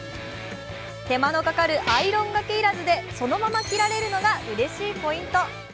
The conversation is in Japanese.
手間のかかるアイロンがけ要らずでそのまま着られるのがうれしいポイント。